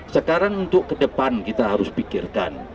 sekarang untuk ke depan kita harus pikirkan